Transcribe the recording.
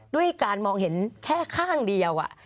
ด้วยการมองเห็นแค่ข้างเดียว